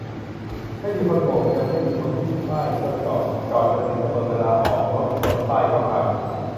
ไม่มีคนโบก-ยังไม่มีคนที่ป้ายก็จอด จอดจนถึงกำหนดเวลาออกรถบนป้ายก็ไป